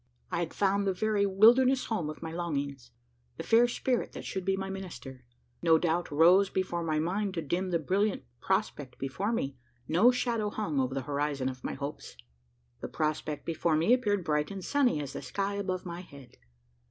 I had found the very "wilderness home" of my longings; the fair spirit that should be my minister! No doubt rose before my mind to dim the brilliant prospect before me no shadow hung over the horizon of my hopes. The prospect before me appeared bright and sunny as the sky above my head.